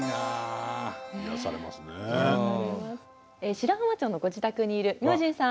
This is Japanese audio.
白浜町のご自宅にいる明神さん。